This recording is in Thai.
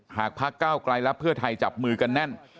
พักเก้าไกลและเพื่อไทยจับมือกันแน่น